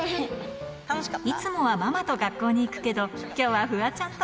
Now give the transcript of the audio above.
いつもはママと学校に行くけど、きょうはフワちゃんと。